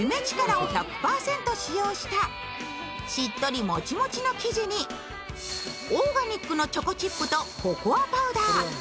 ちからを１００％使用したしっとり、もちもちの生地にオーガニックのチョコチップとココアパウダー